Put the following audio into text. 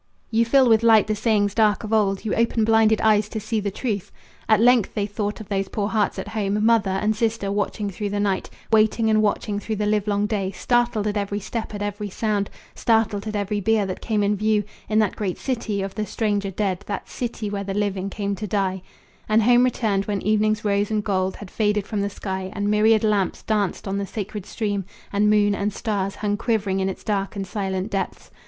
You fill with light the sayings dark of old. You open blinded eyes to see the truth." At length they thought of those poor hearts at home, Mother and sister, watching through the night Waiting and watching through the livelong day, Startled at every step, at every sound, Startled at every bier that came in view In that great city of the stranger dead, That city where the living come to die And home returned when evening's rose and gold Had faded from the sky, and myriad lamps Danced on the sacred stream, and moon and stars Hung quivering in its dark and silent depths.